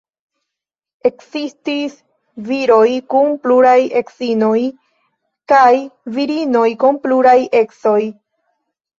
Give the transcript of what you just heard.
Ekzistis viroj kun pluraj edzinoj, kaj virinoj kun pluraj edzoj.